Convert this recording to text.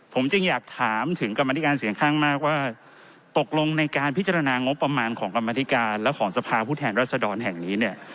ผมจึงอยากถามถึงกรรมธิการเสียงข้างมากว่าตกลงในการพิจารณางบประมาณของกรรมธิการและของสภาผู้แทนรัศดรแห่งนี้เนี่ย